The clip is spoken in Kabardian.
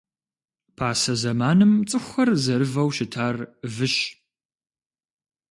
Пасэ зэманым цӏыхухэр зэрывэу щытар выщ.